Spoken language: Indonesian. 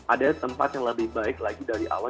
ada tempat yang lebih baik lagi dari awal